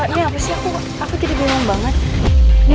ini apa sih aku jadi golong banget